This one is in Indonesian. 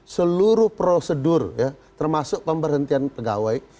seluruh prosedur ya termasuk pemberhentian pegawai